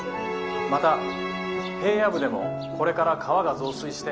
また平野部でもこれから川が増水して」。